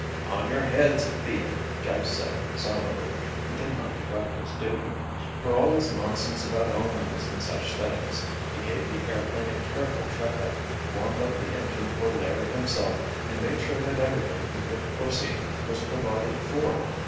"On your heads be it!" Jeff said somberly. He did not neglect his duty. For all his nonsense about omens and such things, he gave the airplane a careful checkup, warmed up the engine for Larry himself and made sure that everything he could foresee was provided for.